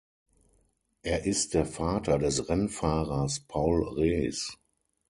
Er ist der Vater des Rennfahrers Paul Rees.